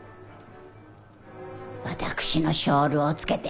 私のショールをつけて。